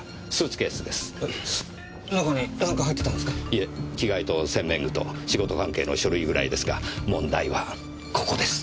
いえ着替えと洗面具と仕事関係の書類ぐらいですが問題はここです！